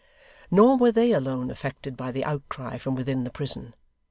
Nor were they alone affected by the outcry from within the prison.